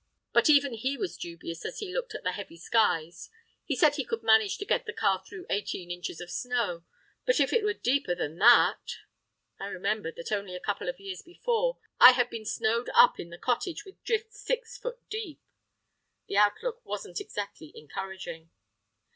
But even he was dubious as he looked at the heavy skies. He said he could manage to get the car through eighteen inches of snow; but if it were deeper than that——! I remembered that only a couple of years before I had been snowed up in the cottage with drifts six foot deep. The outlook wasn't exactly encouraging.